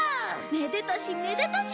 めでたしめでたし。